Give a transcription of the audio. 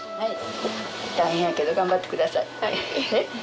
大変やけど頑張ってください。